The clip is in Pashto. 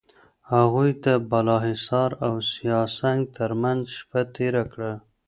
هغوی د بالاحصار او سیاه سنگ ترمنځ شپه تېره کړه.